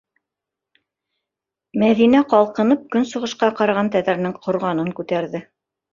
Мәҙинә ҡалҡынып көнсығышҡа ҡараған тәҙрәнең ҡорғанын күтәрҙе.